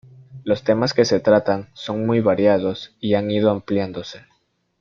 Los temas que se tratan son muy variados y han ido ampliándose.